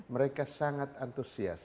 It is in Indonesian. mereka sangat antusias